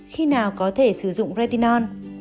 khi nào có thể sử dụng retinol